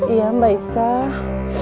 iya mbak isah